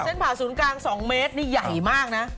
ผ่าศูนย์กลาง๒เมตรนี่ใหญ่มากนะ